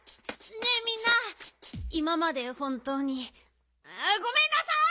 ねえみんないままで本とうにごめんなさい！